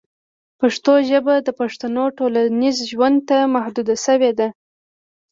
پښتو ژبه د پښتنو ټولنیز ژوند ته محدوده شوې ده.